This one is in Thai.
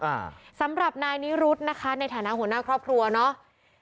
อ่าสำหรับนายนิรุธนะคะในฐานะหัวหน้าครอบครัวเนอะ